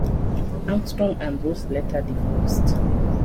Armstrong and Bruce later divorced.